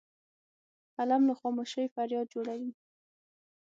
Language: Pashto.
قلم له خاموشۍ فریاد جوړوي